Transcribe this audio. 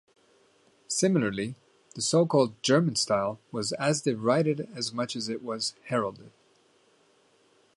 Similarly, the so-called German style was as derided as much as it was heralded.